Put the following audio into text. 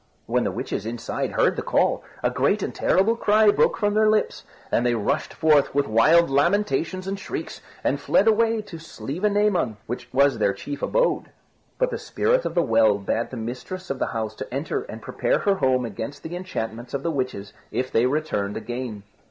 When the witches inside heard the call, a great and terrible cry broke from their lips, and they rushed forth with wild lamentations and shrieks, and fled away to Slievenamon, where was their chief abode. But the Spirit of the Well bade the mistress of the house to enter and prepare her home against the enchantments of the witches if they returned again.